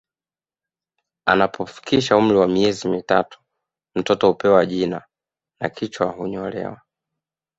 Anapofikisha umri wa miezi mitatu mtoto hupewa jina na kichwa hunyolewa